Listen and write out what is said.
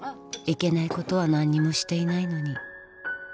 いけないことはなんにもしていないのに